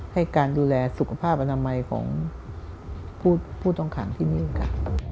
ให้การดูแลสุขภาพอนามัยของผู้ต้องขังที่นี่ค่ะ